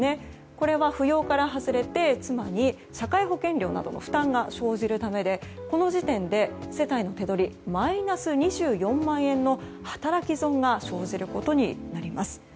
これは扶養から外れて妻に社会保険料などの負担が生じるためでこの時点で世帯の手取りはマイナス２４万円の働き損が生じることになります。